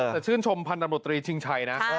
แต่ชื่นชมพันธ์ตำรวจตรีชิงชัยนะ